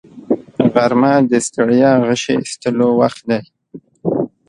غرمه د ستړیا غشي ایستلو وخت دی